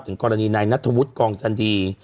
ถึงกรณีในนัทวุฒิ์กองจันทรีย์